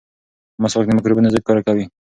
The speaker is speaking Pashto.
مسواک د مکروبونو ضد کار کوي.